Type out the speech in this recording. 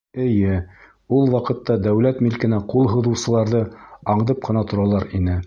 Эйе, ул ваҡытта дәүләт милкенә ҡул һуҙыусыларҙы аңдып ҡына торалар ине.